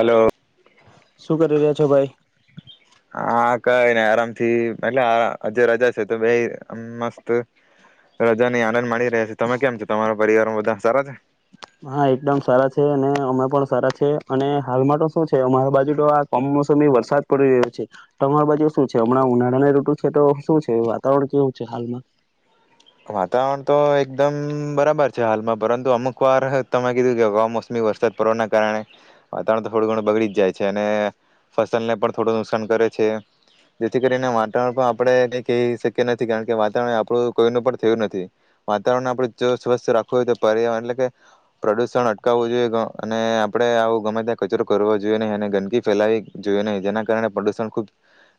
Hello શું કરી રહ્યા છો ભાઈ? હા કઈ નને આરામ થી એટલેજ રજા છે તો ભ મસ્ત રજા ની આનંદ માણી તમે કેમ છો તમારો પરિવાર બધા સારા છે? હા એકદમ સારા છે અને અમે પણ સારા છે. અને હાલમાં તો શું છે અમારા બાજુ તો આ કમમોસમી વરસાદ પડી રહ્યો છે તો અમારી બાજુ શું છે હમણાં ઉનાળાને ઋતુછે. તો શું છે વાતાવરણ કેવું છે હાલમાં! વાતાવરણ તો એકદમ બરાબર છે. હાલમાં પરંતુ અમુક વાર તમે કીધું કે કમોસમી વરસાદ પડવાના કારણે વાતાવરણ થોડું ઘણું બગડી જ જાય છે. અને ફસલને પણ થોડું નુકસાન કરે છે. જેથી કરીને વાતાવરણ પણ આપણે કઈ કહી શકીએ નથી કારણ કે વાતાવરણ આપણું કોઈનું પણ થયું નથી. વાતાવરણ આપણે જો સ્વસ્થ રાખવું હોય તો પર્યાવરણ એટલે કે પ્રદુષણ અટકાવવું જોઈએ, અને આપણે આવું ગમે ત્યાં કચરો કરવાવો જોઈએ નહીં. અને ગંદકી ફેલાવી જોઈએ નહીં. જેના કારણે પ્રદુષણ ખૂબ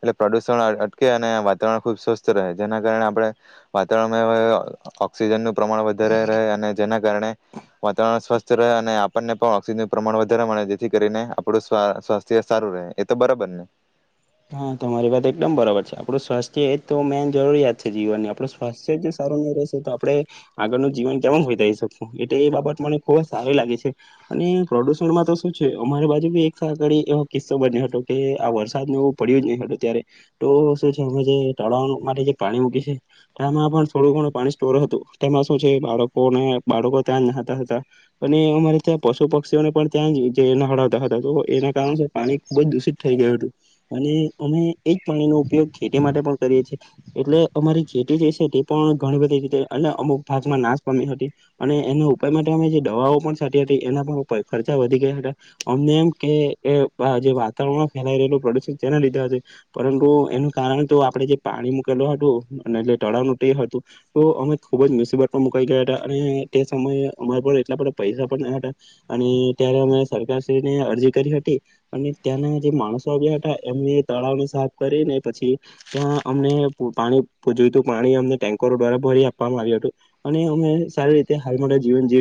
એટલે પ્રદુષણ અટકે અને વાતાવરણ ખૂબ સ્વસ્થ રહે, ‌જેના કારણે આપણે વાતાવરણમાં ઓક્સિજનનું‌ પ્રમાણ વધારે રહે. અને જેના કારણે વાતાવરણ સ્વસ્થ રહે. અને આપણને પણ ઓક્સિજનનું પ્રમાણ વધારે મળે જેથી કરીને આપણું સ્વાસ્થ્ય સારું રહે. એ તો બરાબર ને! હા તમારી વાત એકદમ બરાબર છે. આપણું સ્વાસ્થ્ય એ જ તો મેન જરૂરિયાત છે જીવનની. આપણું સ્વાસ્થ્ય સારું નહી રહેશે તો, આપણે આગળનું જીવન કેમ હોઈદારી શકું. એટલે એ બાબત મને ખુબ જ સારી લાગે છે, અને પ્રદુષણમાં તો શું છે અમારી બાજુ બી એકળ એવો કિસ્સો બન્યો હતો કે આ વરસાદ નું પડ્યું જ નહી હતું. ત્યારે તો શું છે અમે જે તળાવ માટે જે પાણી મૂકી છે તેમાં પણ થોડું ઘણું પાણી સ્ટોર હતું તેમાં શું છે. બાળકોને બાળકો ત્યાં જ નાહતા હતા, અને અમારે ત્યાં પશુ પક્ષીઓને પણ ત્યાં જ જે નહળાવતા હતા, તો એના કારણે પાણી ખુબ જ દૂષિત થઈ ગયું હતું. અને અમે એજ પાણીનો ઉપયોગ ખેતી માટે પણ કરીએ છીએ. એટલે અમારી ખેતી જે છે તે પણ ઘણી બધી રીતે અને અમુક ભાગમાં નાશ પામી હતી. અને એના ઉપાય માટે અમે જે દવાઓ પણ છાંટી હતી એના પણ ખર્ચા વધી ગયા હતા. અમને એમ કે જે વાતાવરણમાં ફેલાઈ રહેલું પ્રદૂષણ તે લીધે. પરંતુ એનું કારણ તો આપણે જે પાણી મુકેલ હતું અને એટલે તળાવનું તે હતું. તો અમે ખુબ જ મુસીબત પણ મુકાઈ ગયા હતા. અને તે સમયે અમારા એટલા બધા પૈસા પણ ના હતા. અને ત્યારે અમે સરકારશ્રીને અરજી કરી હતી, અને ત્યાંના જે માણસો આવ્યા હતા એમને તળાવને સાફ કરીને પછી, ત્યાં અમને પાણી જોયું તું પાણી અમને ટેન્કરો દ્વારા ભરી આપવામાં આવ્યું હતું. અને અમે સારી રીતે હાલમાં જીવન જવ